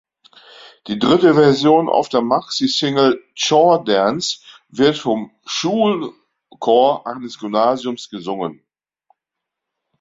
Die dritte Version auf der Maxi-Single, "Choir Dance", wird vom Schulchor eines Gymnasiums gesungen.